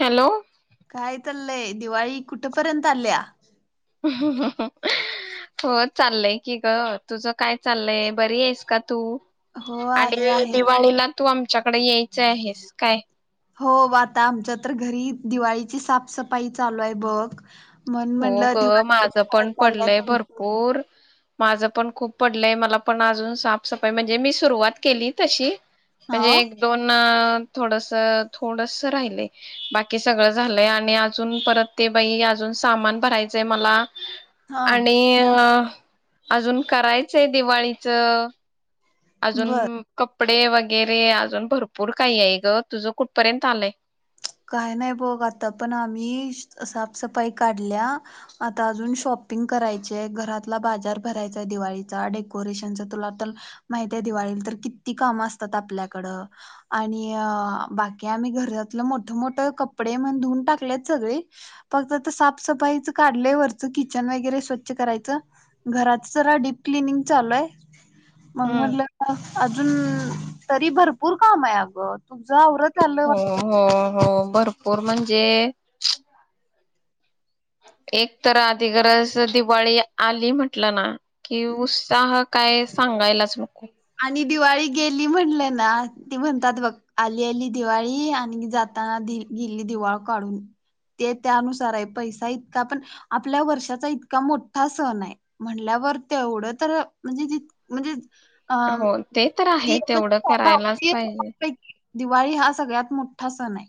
Hello काय चाललंय दिवाळी कुठपर्यंत आल्या हो चाललंय की ग तुझं काय चालय बरी आहेस का तू हो आहे आणि आहे दिवाळीला तू आम आमच्याकडे यायचं आहेस काय हो आता आमच्या तर घरी दिवाळीची साफसफाई चालू आहे बघ म्हण हो म्हणलं ग दिवाळी माझं पण कुठपर्यंत आल्या पडलंय तुमची भरपूर माझं पण खूप पडलंय मला पण अजून साफसफाई म्हणजे मी सुरुवात केली तशी हा म्हणजे एक दोन थोडस थोडसं राहिल बाकी सगळ झालंय आणि अजून परत ते बाई अजून सामान भरायचंय मला हा आणि अ अजून करायचंय दिवाळीच अजून बर कपडे वगैरे अजून भरपूर काही आहे ग तुझं कुठपर्यंत आलंय काय नाही बग आता पण आम्ही साफसफाई काढल्या आता अजून शॉपिंग करायचे घरातला बाजार भरायचाय दिवाळीचा डेकोरेशनचा तुला तर माहिती आहे दिवाळीला तर किती काम असतात आपल्याकडं आणि बाकी आम्ही घरातलं मोठ मोठ कपडे मण धुऊून टाकलेत सगळे फक्त साफसफाईच काढल्या वरच किचन वगैरे स्वच्छ करायच घराचं जरा डीप क्लनिंग चालू आहे मग हम्म म्हटलं अजून तरी भरपूर काम आहे अगं तुझं आवरत आलं हो वाटत हो हो भरपूर म्हणजे एक तर आधी गरज दिवाळी आली म्हटलं ना कि उत्साह काय सांगायलाच नको आणि दिवाळी गेली म्हणलं ना ती म्हणतात बघ आली आली दिवाळी आणि जाताना गेली दिवाळ काढून ते त्यानुसार आहे पैसा इतका पण आपल्या वर्षाचा इतका मोठा सण आहे म्हणल्यावर तेवढं तर म्हणजे ज म्हणजे अ हो ते तर ती आहे म्हणजे तेवढं करायलाच भारतीय पाहिजे सणांपैकी दिवाळी हा सगळ्यात मोठा सण आहे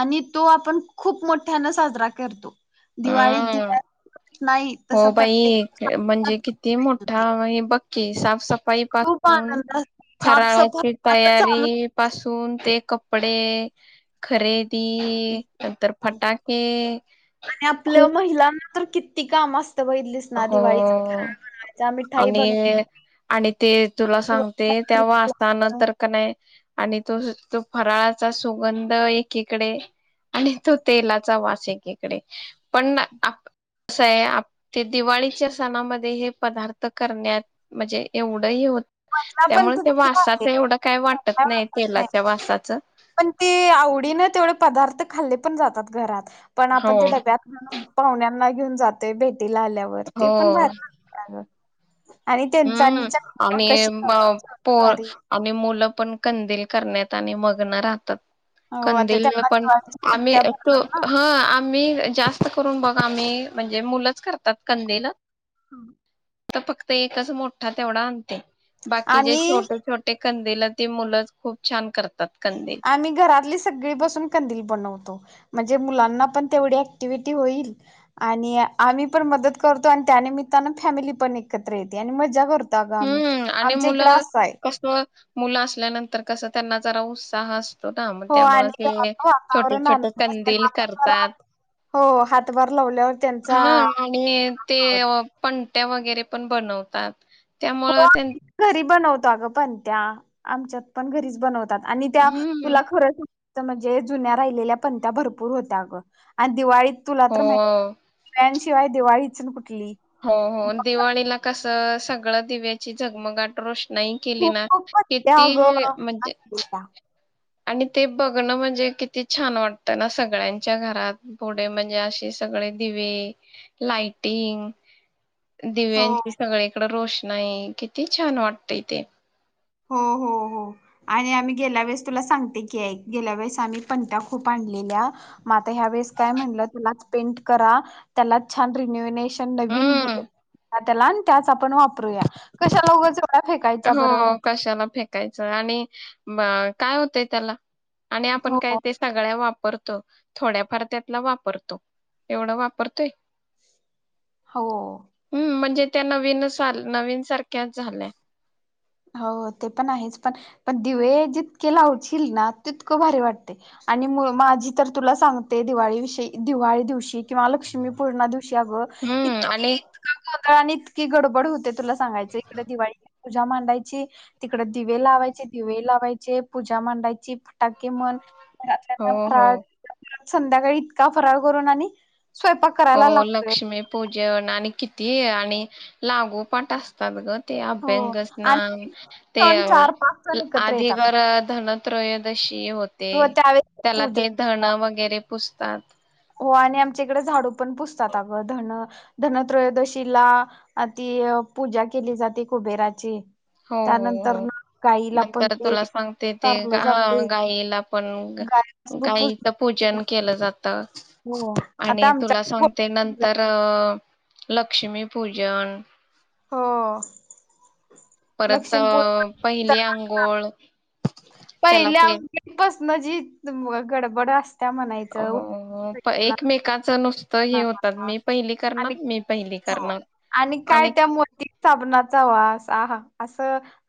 आणि तो आपण खूप मोठ्यान साजरा करतो दिवाळीत हम् दिव्या नाही हो तसं प्रत्येक बाई म्हणजे सणात किती होते. मोठा बघ की साफ सफाई ई खूप पासून आनंद असतो फराळाची साफसफाई आता चालू तयारी पासून ते कपडे खरे दी नंतर हो. फटाके आणि आपल्या खूप महिला तर किती काम असत वहिलीस ना हो दिवाळीचा घरा बनवायच्या मिठाई बनवाय आणि आणि ते तुला सांगते तेव्हाचताना बोलवायचं. तर का नाही आणि तो तो फराळाचा सुगंध एकीकडे आणि तो तेलाचा वास एकीकडे पण कसय ते दिवाळीच्या सणामध्ये हे पदार्थ करण्यात म्हणजे एवढंही होत मजा पण त्यामुळे त्या तितकी वासाच होते. एवढं काय वाटत नाही तेलाच्या वासाचं. पण ते आवडी ना तेवढे पदार्थ खा ले पण जातात घरात. पण हो आपण ते डब्यात पाहुण्यांना घेऊन जाते भेट ला आल्यावर ते हो पण भर [unintelligible] हम्म मग आणि कशी बनवायची होती पोर भारी आणि मुलं पण कंदील करण्यात आणि मग्न राहतात. हो आता कंदील त्यांना पण दिवाळीच्या आम्ही सुट्ट्या तो पडतात ना हं आम्ही जास्त करून बघ आम्ही म्हणजे मुलंच करतात कंदिल. हम्म तर फक्त एक च मोठा तेवढा आणते. बाकी जे आणि छोटे छोटे कंदील ती मुलंच खूप छान करत आम्ही घरातली सगळी बसून कंदील बनवतो. म्हणजे मुलांना पण तेवढी ऍक्टिव्हटी होईल आणि आम्ही पण मदत करतो आणि त्यानिमित्तानं फॅमिली पण एकत्र येते आणि मज्जा करतो. ग आम्ही हम्म आणि आमचा हिकडं मुलं असं आहे. कस मुलं असल्यानंतर कसं त्यांना जरा उत्साह मग हो त्यामुळ आणि ते घरात छोटे वातावरण छोटे आनंद असताना कंदील आपण जरा करतात हो हातभार लावल्यावर त्यांचा हा आणि ते पण त्या वगैरे पण बनवतात. त्यामुळं हो त्यां घरी बनवतो. पणत्या त्या आमच्यात पण घरीच बनवतात. आणि त्या हम्म तुला खरच म्हणजे जुन्या राहिलेल्या पंणत्या भरपूर होत्या अ ग आणि दिवाळी तुला तर माहित हो आहे किवाय दिवाळी. हो हो दिवाळीला कस. सगळ दिव्याची झगमगाट रोष्ट नाही केली खूप ना खूप बसल्या अगं किती म्हणजे. आठवीला. आणि ते बघणं म्हणजे किती छान वाटतं, ना सगळ्यांच्या घरात बोडे म्हणजे, असे सगळे दिवे लाइटिंग. हो दिव्यांचे सगळे. रोशनाई किती छान वाटतय ते. हो हो हो आणि आम्ही गेल्या वेळेस तुला सांगते की, ऐक गेल्या वेळेस आम्ही पणत्या खूप आणलेल्या, मग आता ह्या वेळेस काय म्हणलं, त्याला पेंट करा त्याला छान रिन्युनेशन नवीन हम्म. त्याला त्याच आपण वापरूया, कशा उगाच. का फेकायचा बरं. हो कशाला फेकायचं आणि काय होतंय त्याला. आणि आपण काय हो ते सगळ्या वा परत थोड्या फार त्यातला वापरतो, एवढ वापरतोय. हो. हम्म म्हणजे त्या नवीन नवीन सारख्याच झाल्या. हो ते पण आहेच, पण पण दिवे जितके लावशील ना तितकं भारी वाटते, आणि मु माझी तर तुला सांगते दिवाळी विषयी दिवाळी दिवशी किंवा लक्ष्मीपूना दिव दिवशी अगं हम्म इतकी आणि इतक [unintelligible] आणि इतकी गडबड होते. तुला सांगायं इकडे दिवाळीला पूजामांडणीची ची तिकडे दिवे लावायचे, दिवे लावायचे पूजा मांडायची. फटाके मन हो घरातल्यांना हो फराळ. संध्याकाळी इतका फरार करून आणि. स्वयंपाक करायला हो लागतोय लक्ष्मी पूजा आणि कि ती आणि लागोपाट असतात गत. ते हो अभ्यंग स्नान आणि ते सण अ चार पाच सण एकत्र येतात आता अधिकार धन. त्रयोदशी. हो होते तू त्यावेळेस ते धण पूजा वगैरे पुस्तात. हो आणि आमच्या इकडे झाडू पण पुजतात, अगं धन धनत्रयोदशीला आ ती पूजा केली जाते कुबेराची. हो हो हो त्यानंतर ना गाईला पण नंतर ते तुला सांगते, ते चारलं जाते गायला पण गाय पूज गायच पूजन केलं जात. तच हो आता आणि तुला आमच्या सांगते नंतर अ. लक्ष्मी पूजन. हो. परत अ लक्ष्मीपूर पहिली आंघोळ. त्याला पहिल्या ते बस मजी तुम्हाला गडबड अस त्या म्हणायचं हो एकमेकाचं नुसतं हे होतात मी पहिली करणार मी पहिली [unintelligible] करणार आणि काय त्या मोती साबणाचा वास आ हा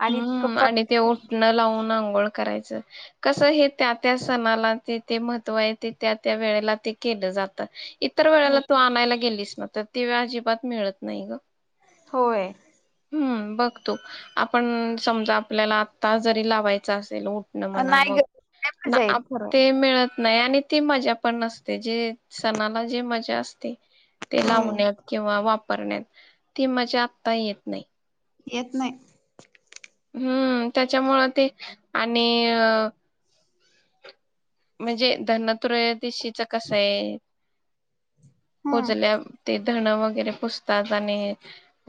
हम्म आणि ते उठणं लावून अंघोळ अंघोळ करायच कस हे त्या त्या सणाला ते ते महत्व आहे ते त्या त्या वेळेला ते केल जात. इतर वेळेला हो. तू आणायला गेलीस. स्वतः ते तीळ अजिबात मिळत नाही ग. होय हम्म बघतो. पण समजा आपल्याला आता जरी लावायच अस. उठन म्हणा नाही मग ग नाही ना मजा येत खरं. आपटे मिळत नयाने ती मजा पण नसते जे सणाला जे मजा असते ते होय लावण्यात किंवा वा वापरण्यात ती मजा आता येत नाही. येत नाही हम्म त्याच्यामुळ ते आणि... म्हणजे धनत्रयोदशीच कसं आहे. हम्म सुजल्यावर ते धणं वगैरे पूजतात आणि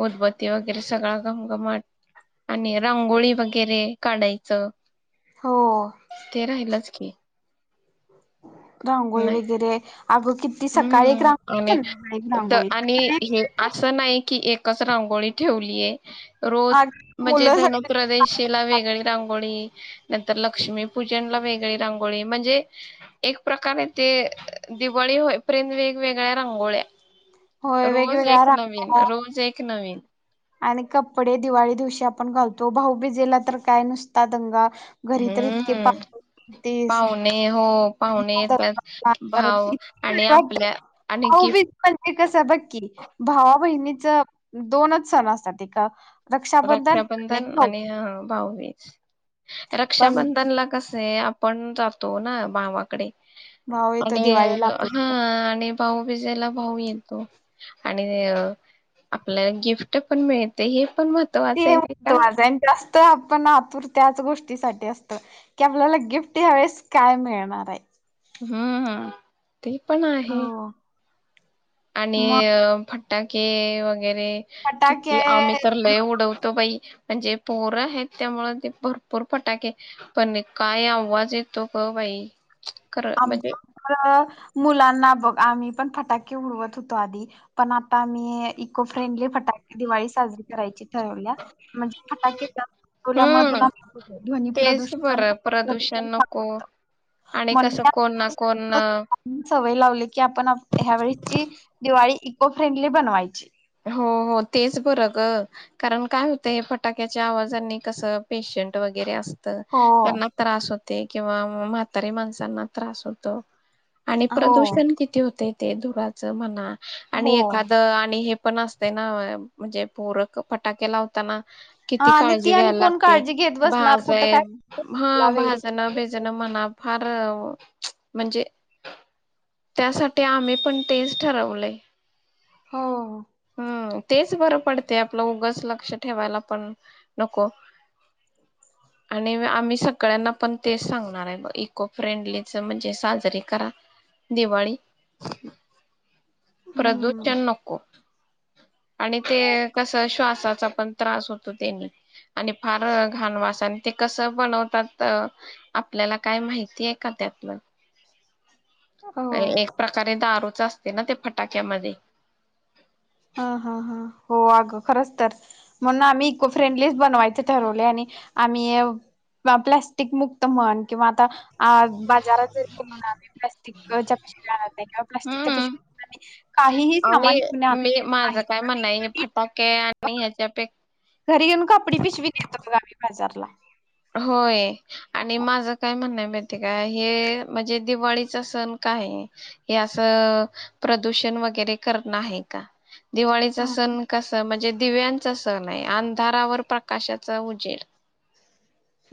उदबत्ती वगैरे सगळा घमघमट आणि रांगोळी वगैरे काढायच हो ते राहिलच. ओके. रांगोळी वगैरे... अगं किती सकाळी एक हम्म रांगोळी आणि संध्याकाळी एक द रांगोळी. आणि हे असं नाही की एकच रांगोळी ठेवली. रोज अगं म्हणजे मुलं सगळी धनत्रयोदशीला वेगळी रांगोळी.. नंतर लक्ष्मीपूजनला वेगळी रांगोळी म्हणजे एक प्रकारे ते दिवाळी होय. प्रेम वेगवेगळ्या रांंगोळ्या होय रोज वेगवेगळ्या एक नवीन रांगोळ्या रोज एक नवीन आणि कपडे दिवाळी दिवशी आपण घालतो भाऊबीजेला तर काय नुसता दंगा घरी तर इतके हम्म पावणे पाहुणे हो पाहुणे येतात असतात भाव आणि परत आपल्या आणि भाऊबी गिफ्ट म्हणे कस बक्की भावा बहिणी च दोनच सण असतात ते का रक्षाबंधन आणि भाऊबीज [unintelligible] पण रक्षाबंधनला कस कसाय आपण जातो ना भावाकडे भाऊ येतो आणि दिवाळीला हा आपल्याकडे आणि भाऊ बिजायला भाऊ येतो आणि आपल्याला गिफ्ट पण मिळते हे पण महत्त्वाचं ते आहे नाही का? माझा [unintelligible] तर आपण आतुर त्याच गोष्टीसाठीच असतो की आपल्याला गिफ्ट ह्या वेळेस काय मिळणार आहे? हम्म हम. ते पण आहे. हो आणि मग फट फटाके व वगैरे फटाके किती आम्ही तर लय उडवतो बाई. म्हणजे पोरं आहेत त्यामूळ ते भरपूर फटाके पण काय आवाज येतो ग बाई. खरं म्हणजे आमच्याकड मुलांना बघ आम्ही पण फटाके उडवत होतो आधी पण आता आम्ही इको फ्रेंडली फटाके दिवाळी साजरी करायची ठरवलिया म्हणजे फटाके जास्त उडवल्या मुळे हम्म तुला ध्वनी तेच प्रदूषण आणि बरं तुला हवा प्रदूषण नको होत आणि कसं [unintelligible] कोण ना कोण ना सवय लावली की आपन ह्या वेळीची दिवाळी इको फ्रेंडली बनवायची. हो हो तेच बरं ग कारण काय होतंय हे फटाक्याच्या आवाजानी कसं पेशंट वगैरे असत तर हो त्यांना त्रास होतो. ते किंवा म्हातारी माणसांना त्रास होतो. आणि हो प्रदूषण किती होतय ते धुराचं म्हणा आणि हो एखादं आणि हे पण असते ना म्हणजे पोर क फटाके लावताना किती हा आणि ती काळजी आणि घ्यायला कोण लागते काळजी घेत बसणार भाज कुठं काय हा वगैरे भाजण बीजण म्हणा फार म्हणजे, त्यासाठी आम्ही पण तेच ठरवलंय. हो. हम् तेच बरं पडते आपलं उगच लक्ष ठेवायला पण नको आणि आम्ही सगळ्यांना पण तेच सांगणार आहे इको फ्रेंडलीच म्हणजे साजरीे करा दिवाळी. हम्म प्रदूषण नको. आणि ते कस श्वास साचा पण त्रास होतो त्यानी आणि फार घाण वास आणि ते कसं बनवतात आपल्याला काय माहिती आहे का त्यातलं. अ हो एक प्रकारे द [unintelligible] असते ना त्या फटाक्यामध्ये. हा हा हा हो अगं खरंच तर म्हणून आम्ही इको फ्रेंडलीच बनवायच ठरवलय आणि आम्ही प्लॅस्टिक मुक्त म्हण किंवा आता आ बाजारात जर म्हणून आम्ही प्लास्टिकच्या पिशाव्या आणत नाही किंवा प्लास्टिकच्या हम्म पिशव्या काहीही सामान आणि मी [unintelligible] माझं काय म्हणण आहे घरी फटाके आणि ह्याच्यापेक्षा घरी येऊन कापडी पिशवी देेतो. बग आम्ही बाजारला. होय. आणि माझं काय म्हणणं आहे. का हे म्हणजे दिवाळीचा सण काय हे अस प्रदूषण वगैरे करण आहे का. दिवाळीचा सण कसा. म्हणजे दिव्यांचा सण आहे अंधारावर प्रकाशाचा उजेड.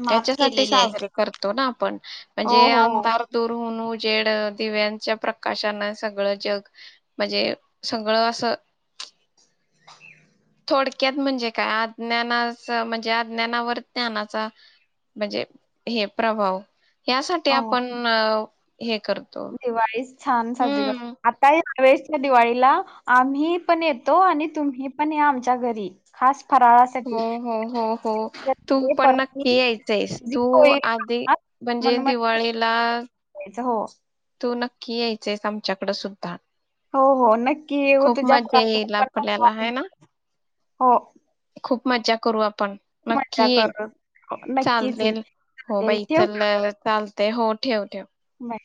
मात त्याच्यासाठी केलेली आहे. साजरीे करतो ना आपण हो म्हणजे हो हो अंधार दूर होऊन. जेड दिव्यांच्या प्रकाशन सगळं जग म्हणजे सगळं असं- थोडक्यात म्हणजे काय अज्ञानाच म्हणजे अज्ञानावर ज्ञानाचा म्हणजे हे प्रभाव. यासाठी आपण अ- हे करतो दिवाळीस छान साजरी हम्म करतो आता हे दिवाळीला आम्ही पण येतो आणि तुम्ही पण या आमच्या घरी खास- फराळासाठी हो हो हो हो तू ते पण नक्की यायचं. आहेस तू होळी आधी म्हणजे म्हणून दिवाळीला म्हटलं हो तू नक्की यायच आहेस आमच्याकड सुद्धा हो हो नक्की ये खूप तुझ्या मजा येईल आपल्याला आहे ना [unintelligible] मजा करू आप. पण नक्की मजा ये करू हो, नक्कीच येईन चालतंय हो चालेल बाई ठेवू चल चाल. ते हो ठेव ठेव. बाय